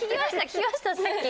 聞きましたさっき。